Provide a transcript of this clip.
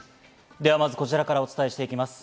では、まずはこちらからお伝えしていきます。